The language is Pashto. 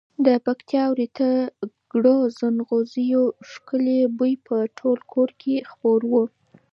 د پکتیا ورېته کړو زڼغوزیو ښکلی بوی به په ټول کور کې خپور وو.